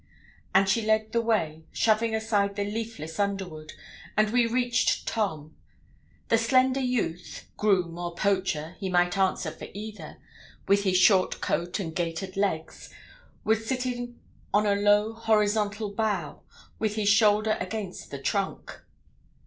And she led the way, shoving aside the leafless underwood, and we reached Tom. The slender youth, groom or poacher he might answer for either with his short coat and gaitered legs, was sitting on a low horizontal bough, with his shoulder against the trunk.